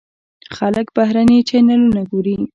خلک بهرني چینلونه ګوري.